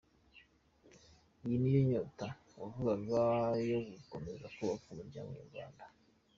Iyi niyo nyota wavugaga yo gukomeza kubaka Umuryango Nyarwanda?